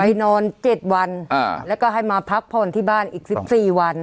ไปนอนเจ็ดวันอ่าแล้วก็ให้มาพักผ่อนที่บ้านอีกสิบสี่วัน